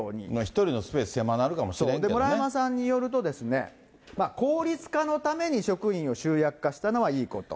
１人のスペース、そう、村山さんによると、効率化のために職員を集約化したのはいいこと。